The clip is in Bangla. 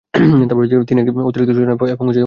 তিনি একটি অতিরিক্ত সূচনা এবং ধারাভাষ্য যোগ করেন।